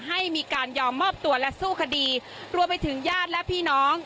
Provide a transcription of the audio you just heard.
ให้มีการยอมมอบตัวและสู้คดีรวมไปถึงญาติและพี่น้อง